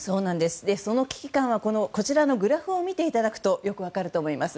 その危機感はこちらのグラフを見ていただくとよく分かると思います。